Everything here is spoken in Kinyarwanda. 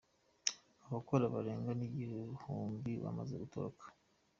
Abakora barenga nigihumbi bamaze gutoroka